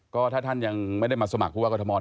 ก็ถ้าท่านยังไม่ได้มาสมัครผู้ว่ากรทม